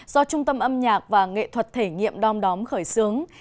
do trung tâm âm nhạc và nghệ thuật thể nghiệm đom đóm khởi xướng